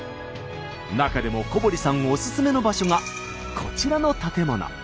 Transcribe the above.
中でも小堀さんオススメの場所がこちらの建物。